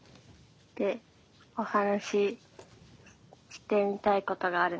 でお話ししてみたいことがあるなと思って。